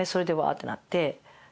ってなって。